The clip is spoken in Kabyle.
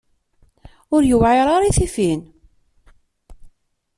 Ur yewɛiṛ ara i tifin.